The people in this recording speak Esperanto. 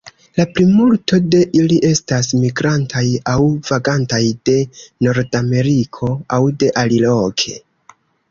La plimulto de ili estas migrantaj aŭ vagantaj de Nordameriko aŭ de aliloke.